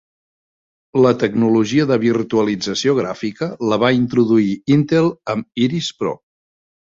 La tecnologia de Virtualització Gràfica la va introduir Intel amb Iris Pro.